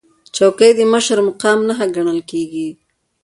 چوکۍ د مشر مقام نښه ګڼل کېږي.